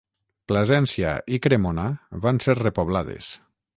Plasència i Cremona van ser repoblades.